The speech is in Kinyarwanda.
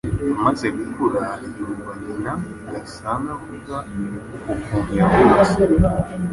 amaze gukura, yumva nyina Gasani avuga uko kuntu yavutse,